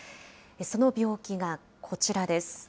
その病気がこちらです。